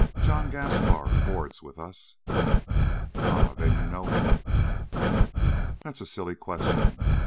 John Gaspar boards with us." "Ah, then you know him!" "That's a silly question.